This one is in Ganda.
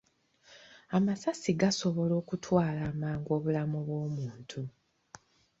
Amasasi gasobola okutwala amangu obulamu bw'omuntu.